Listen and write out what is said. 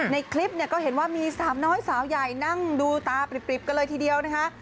ในคลิปเนี่ยก็เห็นว่ามีสามน้อยสาวใหญ่นั่งดูตาปริบกันเลยทีเดียวนะคะ